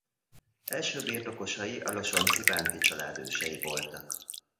Első birtokosai a Losonczi-Bánffy család ősei voltak.